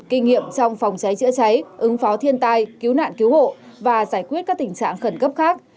kinh nghiệm trong phòng cháy chữa cháy ứng phó thiên tai cứu nạn cứu hộ và giải quyết các tình trạng khẩn cấp khác